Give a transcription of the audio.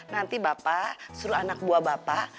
nanti bapak suruh anak buah bapak